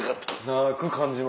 長く感じました。